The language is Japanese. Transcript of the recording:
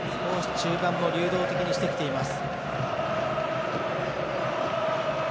中盤も流動的にしてきています。